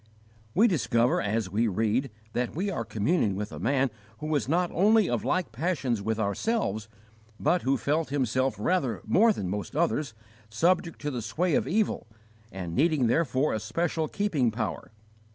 We discover as we read that we are communing with a man who was not only of like passions with ourselves, but who felt himself rather more than most others subject to the sway of evil, and needing therefore a special keeping power.